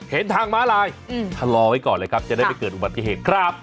เห็นทางม้าลายชะลอไว้ก่อนเลยครับจะได้ไม่เกิดอุบัติเหตุครับ